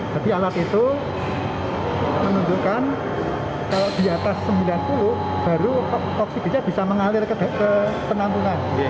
jadi alat itu menunjukkan kalau di atas sembilan puluh baru oksigennya bisa mengalir ke penampungan